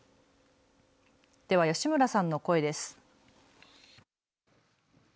では吉村さんの声です。